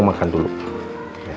makan dulu ya